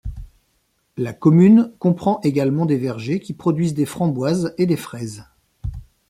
La commune comprend également des vergers qui produisent des framboises et des fraises.